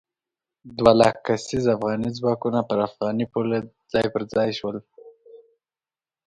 دوه لک کسیز افغاني ځواکونه پر افغاني پوله ځای پر ځای شول.